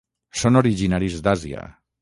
Són originaris d'Àsia.